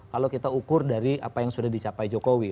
kalau kita ukur dari apa yang sudah dicapai jokowi